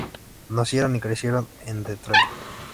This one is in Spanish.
Nacieron y crecieron en Detroit.